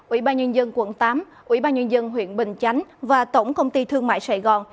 ủy ban nhân dân quận tám ủy ban nhân dân huyện bình chánh và tổng công ty thương mại sài gòn